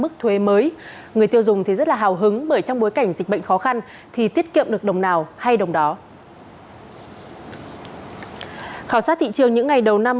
khảo sát thị trường những ngày đầu năm